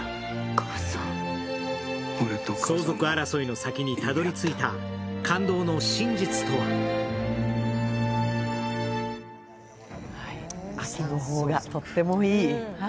相続争いの先にたどりついた感動の真実とは秋の邦画、とってもいい。